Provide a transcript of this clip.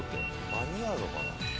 間に合うのかな？